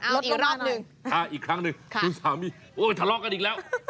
อีกรอบหนึ่งอีกครั้งหนึ่งคุณสามีโอ้ยทะเลาะกันอีกแล้ว